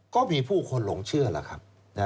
ก็มีผู้คนหลงเชื่อล่ะครับ